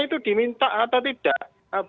itu diminta atau tidak